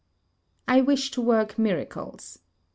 I wish to work miracles.